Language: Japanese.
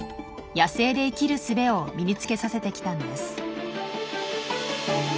野生で生きるすべを身につけさせてきたんです。